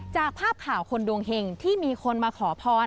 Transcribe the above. จากภาพข่าวคนดวงเห็งที่มีคนมาขอพร